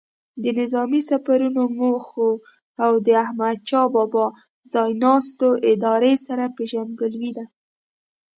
د نظامي سفرونو موخو او د احمدشاه بابا ځای ناستو ادارې سره پیژندګلوي ده.